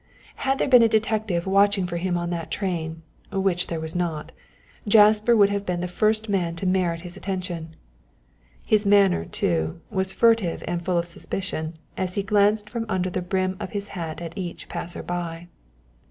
Had there been a detective watching for him on that train which there was not Jasper would have been the first man to merit his attention. His manner, too, was furtive and full of suspicion as he glanced from under the brim of his hat at each passer by.